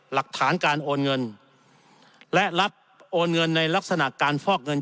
หลักฐานการโอนเงินและรับโอนเงินในลักษณะการฟอกเงิน